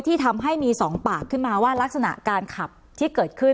ที่ทำให้มีสองปากขึ้นมาว่ารักษณะการขับที่เกิดขึ้น